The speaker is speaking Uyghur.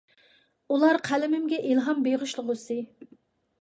ئۇلار قەلىمىمگە ئىلھام بېغىشلىغۇسى.